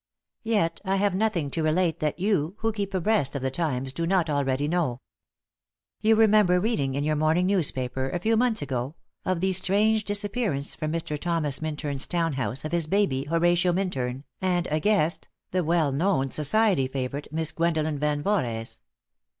Yet I have nothing to relate that you, who keep abreast of the times, do not already know. You remember reading in your morning newspaper, a few months ago, of the strange disappearance from Mr. Thomas Minturn's town house of his baby, Horatio Minturn, and a guest, the well known society favorite, Miss Gwendolen Van Voorhees.